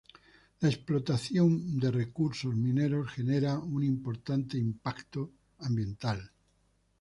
La explotación de recursos mineros genera un importante impacto ambiental.